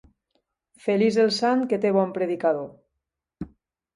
Feliç el sant que té bon predicador.